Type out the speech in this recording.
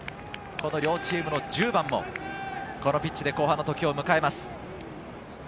両チームの１０番もこのピッチで後半の時を迎えます。